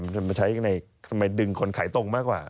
มันใช้ในทำไมดึงคนไขตรงมากกว่า